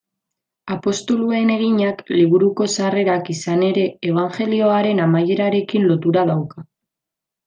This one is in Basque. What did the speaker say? Apostoluen Eginak liburuko sarrerak, izan ere, Ebanjelioaren amaierarekin lotura dauka.